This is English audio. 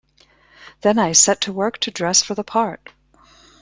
Then I set to work to dress for the part.